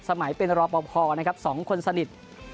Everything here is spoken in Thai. สมัยเป็นรอพอนะครับสองคนสนิท